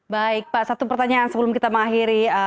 baik pak satu pertanyaan sebelum kita mengakhiri